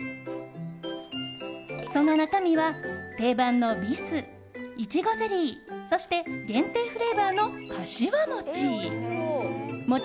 その中身は、定番のビスいちごゼリーそして限定フレーバーのかしわもち。